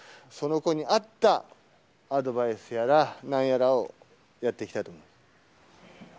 その子に合ったアドバイスやらなんやらをやっていきたいと思いま